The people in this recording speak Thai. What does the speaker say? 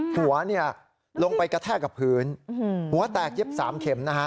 หัวนี่ลงไปกระแทกกับพื้นหัวแตกเย็บสามเข็ม